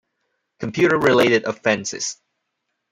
Computer-related offenses